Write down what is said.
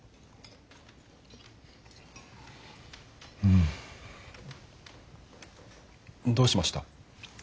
うん。どうしました？